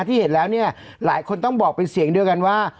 ที่เห็นแล้วเนี่ยหลายคนต้องบอกเป็นเสียงเดียวกันว่า